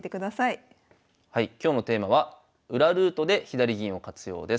はい今日のテーマは「裏ルートで左銀を活用」です。